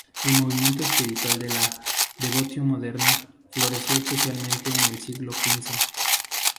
El movimiento espiritual de la "devotio moderna" floreció especialmente en el siglo xv.